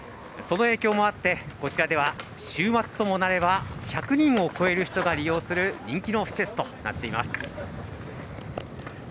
その影響もあってこちらでは週末ともなれば１００人を超える人が利用する人気の施設となっています。